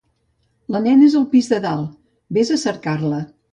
La nena és al pis de dalt: ves a cercar-la.